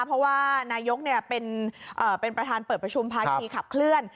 เพราะว่านายกเป็นประธานเปิดประชุมภาคีขับเคลื่อน